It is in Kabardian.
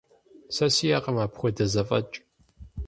Сэ сиӀэкъым апхуэдэ зэфӀэкӀ.